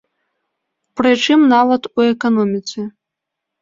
Прычым нават у эканоміцы.